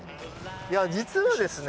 いや実はですね。